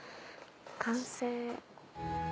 完成。